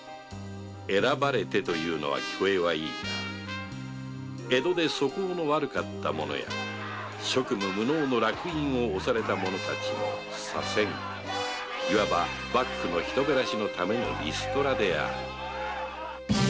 “選ばれて”というのは聞こえはいいが江戸で素行の悪かった者や職務無能の烙印を押された者たちの左遷いわば幕府の人減らしのためのリストラである